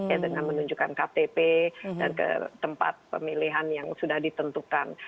ya dengan menunjukkan ktp dan ke tempat pemilihan yang sudah ditentukan